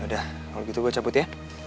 udah kalau gitu gue cabut ya